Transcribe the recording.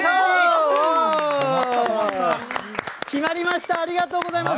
さあ、決まりました、ありがとうございます。